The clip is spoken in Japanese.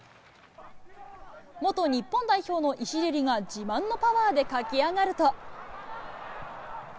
元日本代表のが自慢のパワーで駆け上がると。